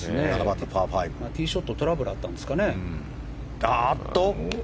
ティーショットでトラブルがあったんですかね。